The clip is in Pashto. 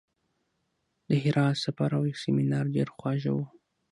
د هرات سفر او سیمینار ډېر خواږه وو.